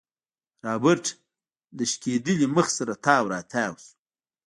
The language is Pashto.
رابرټ له شکېدلي مخ سره تاو راتاو شو.